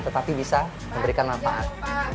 tetapi bisa memberikan manfaat